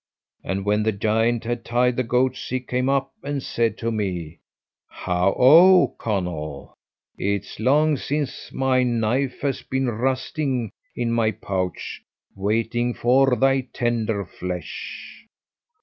And when the giant had tied the goats, he came up and he said to me, 'Hao O! Conall, it's long since my knife has been rusting in my pouch waiting for thy tender flesh.'